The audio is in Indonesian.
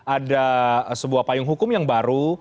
ada sebuah payung hukum yang baru